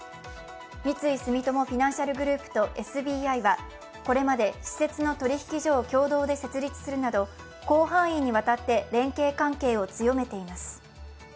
三井住友フィナンシャルグループとＳＢＩは、これまで私設の取引所を共同で設立するなど広範囲にわたって連携関係を強めています。